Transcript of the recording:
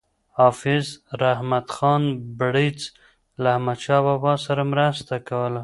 حافظ رحمت خان بړیڅ له احمدشاه بابا سره مرسته کوله.